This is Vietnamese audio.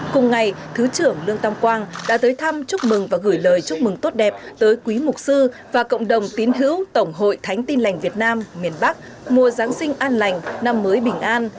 cùng ngày thứ trưởng lương tâm quang đã tới thăm chúc mừng và gửi lời chúc mừng tốt đẹp tới quý mục sư và cộng đồng tín hữu tổng hội thánh tin lành việt nam miền bắc mùa giáng sinh an lành năm mới bình an